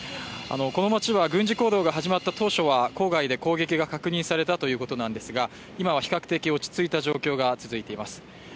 この街は軍事行動が始まった当初は郊外で攻撃が確認されたということですが今は比較的落ち着いた状況が続いています。